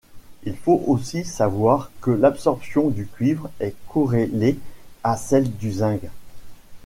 Il faut aussi savoir que l'absorption du cuivre est corrélée à celle du zinc.